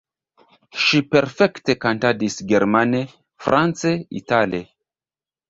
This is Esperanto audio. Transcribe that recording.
Ŝi perfekte kantadis germane, france, itale.